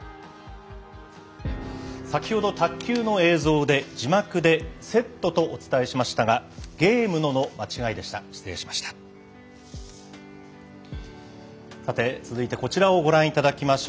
先ほど卓球の映像で字幕でセットとお伝えしましたがゲームのの間違いでした失礼いたしました。